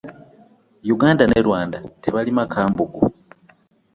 Uganda ne Rwanda tebalima kambugu.